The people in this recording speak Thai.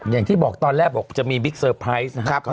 อย่างที่บอกตอนแรกบอกจะมีบิ๊กเซอร์ไพรส์นะครับ